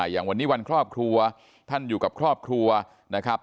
อย่างวันนี้วันครอบครัวท่านอยู่กับครอบครัวนะครับ